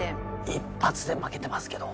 一発で負けてますけど？